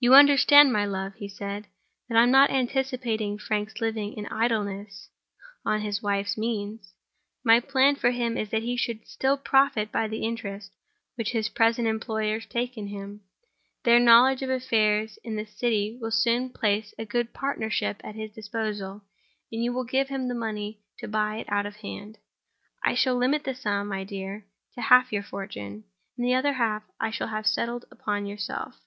"You understand, my love," he said, "that I am not anticipating Frank's living in idleness on his wife's means? My plan for him is that he should still profit by the interest which his present employers take in him. Their knowledge of affairs in the City will soon place a good partnership at his disposal, and you will give him the money to buy it out of hand. I shall limit the sum, my dear, to half your fortune; and the other half I shall have settled upon yourself.